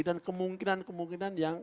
dan kemungkinan kemungkinan yang